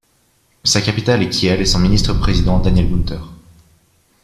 Sa capitale est Kiel et son ministre-président Daniel Günther.